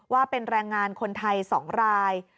ว่าเป็นแรงงานคนไทย๒ราย